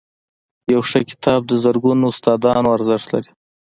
• یو ښه کتاب د زرګونو استادانو ارزښت لري.